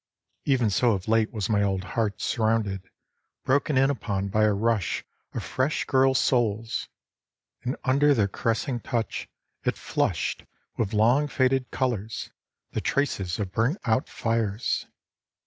Even so of late was my old heart surrounded, broken in upon by a rush of fresh girls' souls ... and under their caressing touch it flushed with long faded colours, the traces of burnt out fires